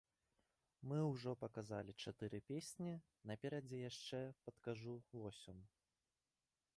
Мы ўжо паказалі чатыры песні, наперадзе яшчэ, падкажу, восем.